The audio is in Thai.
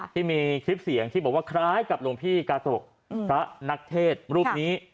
ที่มีคลิปเสียงที่บอกว่าคล้ายกับหลวงพี่กาโตะพระนักเทศรูปนี้